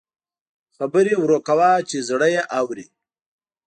خبرې ورو کوه چې زړه یې اوري